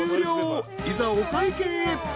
［いざお会計］